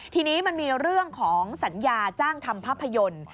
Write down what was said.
ทีนี้มันมีเรื่องของสัญญาจ้างทำภาพยนตร์